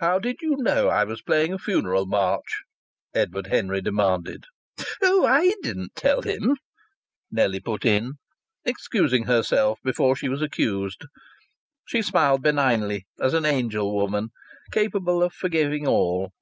"How did you know I was playing a funeral march?" Edward Henry demanded. "Oh, I didn't tell him!" Nellie put in, excusing herself before she was accused. She smiled benignly, as an angel woman, capable of forgiving all.